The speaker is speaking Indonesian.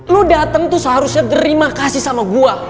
lo dateng tuh seharusnya terima kasih sama gua